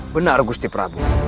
benar gusti prabu